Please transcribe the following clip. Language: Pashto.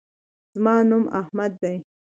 زما نوم احمد دی